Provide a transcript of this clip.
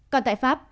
còn tại pháp